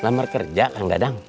lamar kerja kang dadang